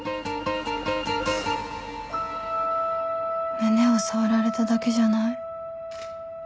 胸を触られただけじゃない